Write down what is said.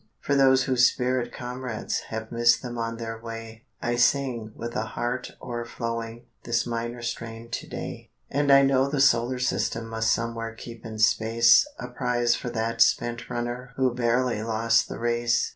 For those whose spirit comrades Have missed them on their way, I sing, with a heart o'erflowing, This minor strain to day. And I know the Solar system Must somewhere keep in space A prize for that spent runner Who barely lost the race.